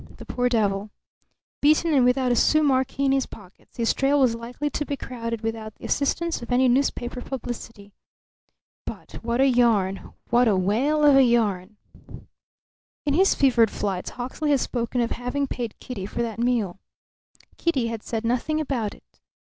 The poor devil! Beaten and without a sou marque in his pockets, his trail was likely to be crowded without the assistance of any newspaper publicity. But what a yarn! What a whale of a yarn! In his fevered flights Hawksley had spoken of having paid Kitty for that meal. Kitty had said nothing about it.